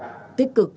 và đồng thời nhấn mạnh